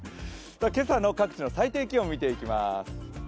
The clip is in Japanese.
今朝の各地の最低気温見ていきます。